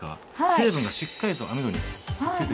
成分がしっかりと網戸に付いて。